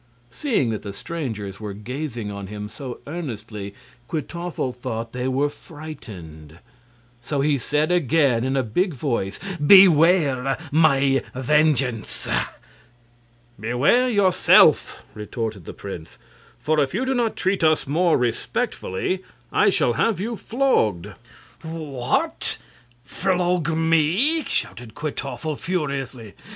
Seeing that the strangers were gazing on him so earnestly, Kwytoffle thought they were frightened; so he said again, in a big voice: "Beware my vengeance!" "Beware yourself!" retorted the prince. "For if you do not treat us more respectfully, I shall have you flogged." "What! Flog me!" shouted Kwytoffle, furiously.